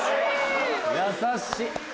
優しい。